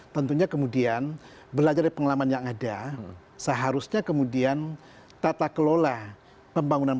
tentunya kemudian belajar dari pengalaman yang ada seharusnya kemudian tata kelola pembangunan